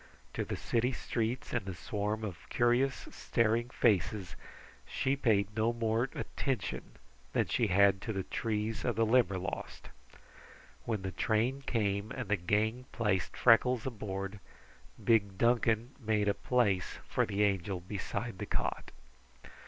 To the city streets and the swarm of curious, staring faces she paid no more attention than she had to the trees of the Limberlost. When the train came and the gang placed Freckles aboard, big Duncan made a place for the Angel beside the cot.